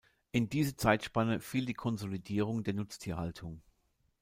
In diese Zeitspanne fiel die Konsolidierung der Nutztierhaltung.